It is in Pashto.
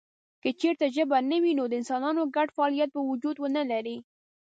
که چېرته ژبه نه وي نو د انسانانو ګډ فعالیت به وجود ونه لري.